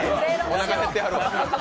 おなか減ってはる。